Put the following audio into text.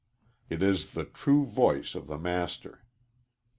It is the true voice of the master.